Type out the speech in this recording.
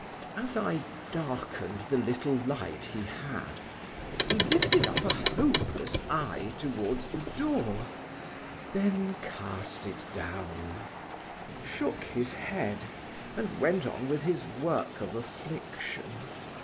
As I darkened the little light he had, he lifted up a hopeless eye towards the door, then cast it down,—shook his head, and went on with his work of affliction.